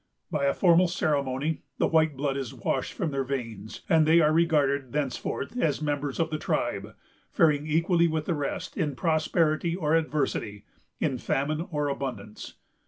By a formal ceremony, the white blood is washed from their veins; and they are regarded thenceforth as members of the tribe, faring equally with the rest in prosperity or adversity, in famine or abundance.